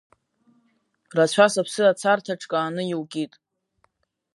Рацәа сыԥсы ацарҭа ҿкааны иукит.